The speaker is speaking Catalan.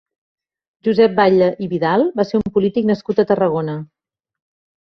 Josep Batlle i Vidal va ser un polític nascut a Tarragona.